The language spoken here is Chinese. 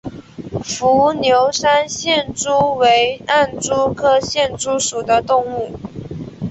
伏牛山隙蛛为暗蛛科隙蛛属的动物。